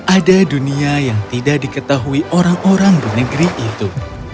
ada dunia yang tidak diketahui orang orang bernegeri itu